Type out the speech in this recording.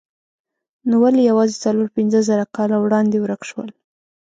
نو ولې یوازې څلور پنځه زره کاله وړاندې ورک شول؟